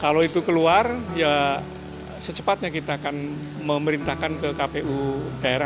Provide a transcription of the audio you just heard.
kalau itu keluar ya secepatnya kita akan memerintahkan ke kpu daerah